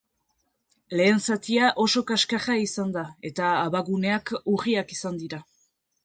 Lehen zatia oso kaskarra izan da, eta abaguneak urriak izan dira.